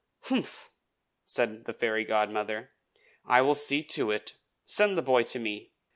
"Humph!" said the fairy godmother. "I will see to it. Send the boy to me!"